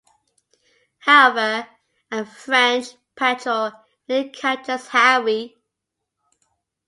However, a French patrol nearly captures Harry.